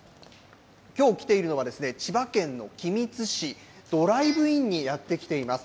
きょう来ているのはですね、千葉県の君津市、ドライブインにやって来ています。